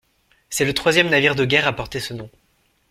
C'est le troisième navire de guerre à porter ce nom.